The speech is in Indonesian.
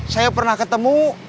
saya pernah ketemu